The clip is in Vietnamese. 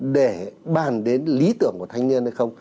để bàn đến lý tưởng của thanh niên hay không